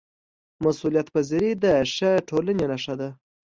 مسؤلیتپذیري د ښه ټولنې نښه ده